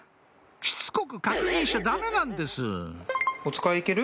しつこく確認しちゃダメなんですおつかい行ける？